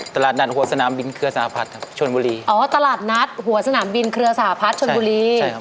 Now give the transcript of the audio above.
ตลาดนัดหัวสนามบินเครือสหพัฒน์ครับชนบุรีอ๋อตลาดนัดหัวสนามบินเครือสหพัฒน์ชนบุรี